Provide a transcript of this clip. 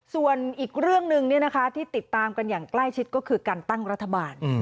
ส่วนอีกเรื่องหนึ่งที่ติดตามกันอย่างใกล้ชิดก็คือการตั้งรัฐบาล